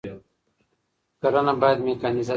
کرنه بايد ميکانيزه سي.